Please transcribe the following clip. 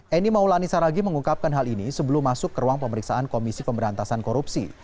eni maulani saragi mengungkapkan hal ini sebelum masuk ke ruang pemeriksaan komisi pemberantasan korupsi